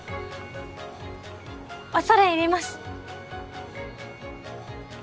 恐れ入ります！